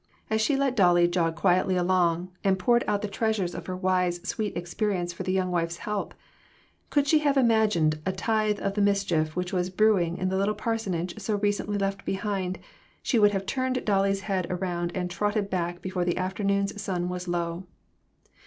As she let Dolly jog quietly along, and poured out the treasures of her wise, sweet experience for the young wife's help, could she have imagined a tithe of the mischief which was brewing in the little parsonage so recently left behind, she would have turned Dolly's head around and trotted back before the afternoon's sun was low.